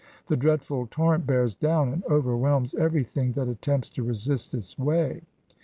The dreadful torrent bears down and overwhelms everything that attempts to resist its way.